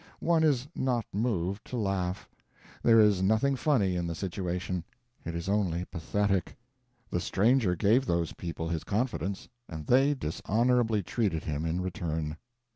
One is not moved to laugh. There is nothing funny in the situation; it is only pathetic. The stranger gave those people his confidence, and they dishonorably treated him in return.